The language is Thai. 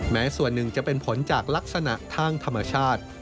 แม้ส่วนหนึ่งจะเป็นผลจากลักษณะทางธรรมชาติ